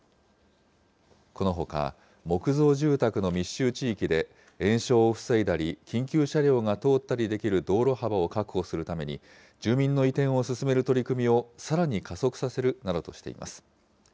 このほか、木造住宅の密集地域で、延焼を防いだり、緊急車両が通ったりできる道路幅を確保するために、住民の移転を進める取り組みをさらに加速させるなどしています。